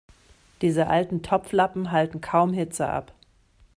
Diese alten Topflappen halten kaum Hitze ab.